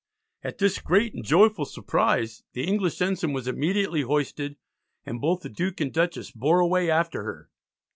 At this "great and joyful surprize" the English ensign was immediately hoisted, and both the Duke and Dutchess "bore away after her."